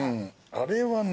あれはね。